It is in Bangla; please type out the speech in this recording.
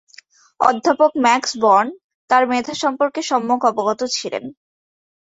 অধ্যাপক ম্যাক্স বর্ন তার মেধা সম্পর্কে সম্যক অবগত ছিলেন।